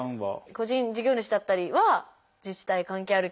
個人事業主だったりは自治体が関係ある